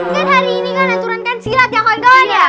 kan hari ini kan aturan kan silat ya kawan kawan ya